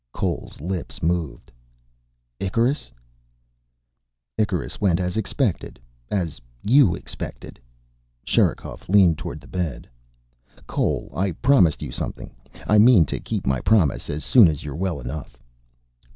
Cole's lips moved. "Icarus " "Icarus went as expected. As you expected." Sherikov leaned toward the bed. "Cole, I promised you something. I mean to keep my promise as soon as you're well enough."